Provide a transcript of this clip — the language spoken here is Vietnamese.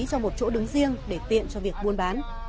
cho một chỗ đứng riêng để tiện cho việc buôn bán